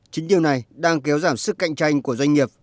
chính điều này đang kéo giảm sức cạnh tranh của doanh nghiệp